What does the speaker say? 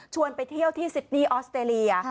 ชวนไปเที่ยวที่สิตนีออสเตรเลีย